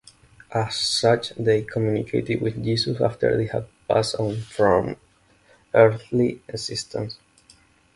As such, they communicated with Jesus after they had passed on from earthly existence.